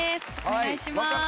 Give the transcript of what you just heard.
お願いします。